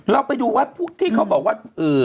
เราไปดูว่าพวกที่เขาบอกว่า